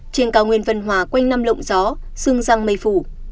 trên cao nguyên vân hòa quanh năm lộng gió sương răng mây phủ